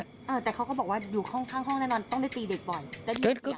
แต่เขาก็บอกว่าอยู่ข้างแน่นอนต้องได้ตีเด็กบ่อย